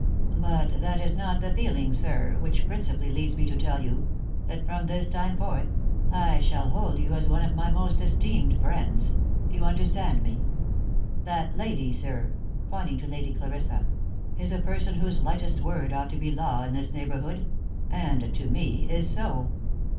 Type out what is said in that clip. But that is not the feeling, sir, which principally leads me to tell you, that from this time forth, I shall hold you as one of my most esteemed friends — you understand me. That lady, sir," pointing to Lady Clarissa, " is a person whose lightest word ought to be law in this neighbour hood, — and to me, is so.